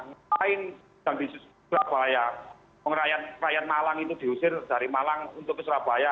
selain yang di surabaya rakyat malang itu diusir dari malang untuk ke surabaya